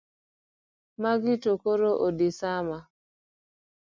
Magi to koro ondisama.